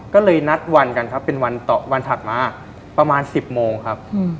ก็เลยนัดวันกันครับเป็นวันต่อวันถัดมาประมาณ๑๐โมงครับ